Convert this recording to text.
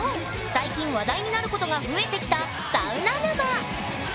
最近話題になることが増えてきた「サウナ沼」！